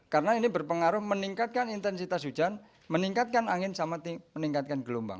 karena ini berpengaruh meningkatkan intensitas hujan meningkatkan angin sama meningkatkan gelombang